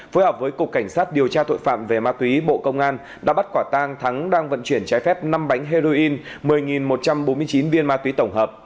phối hợp với cục cảnh sát điều tra tội phạm về ma túy bộ công an đã bắt quả tang thắng đang vận chuyển trái phép năm bánh heroin một mươi một trăm bốn mươi chín viên ma túy tổng hợp